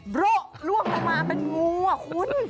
โบร่ะร่วงมาเป็นงูอ่ะคุณ